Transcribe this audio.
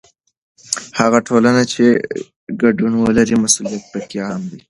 هغه ټولنه چې ګډون ولري، مسؤلیت پکې عام وي.